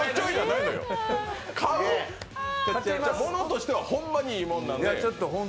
ものとしては、ほんまにいいもんなんで。